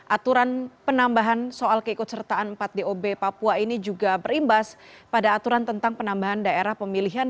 aturan penambahan soal keikutsertaan empat dob papua ini juga berimbas pada aturan tentang penambahan daerah pemilihan